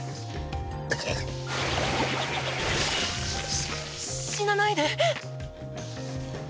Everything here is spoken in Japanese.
し死なないで。